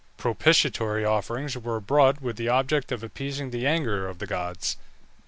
Propitiatory offerings were brought with the object of appeasing the anger of the gods.